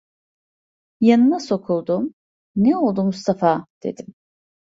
Yanına sokuldum: "Ne oldu Mustafa?" dedim.